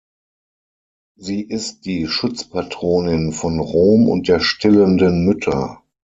Sie ist die Schutzpatronin von Rom und der stillenden Mütter.